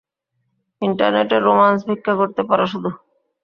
ইন্টারনেটে রোমান্স ভিক্ষা করতে পারো শুধু?